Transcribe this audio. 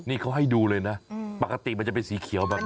นี่เขาให้ดูเลยนะปกติมันจะเป็นสีเขียวแบบนี้